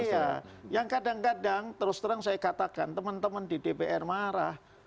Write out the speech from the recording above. iya yang kadang kadang terus terang saya katakan teman teman di dpr marah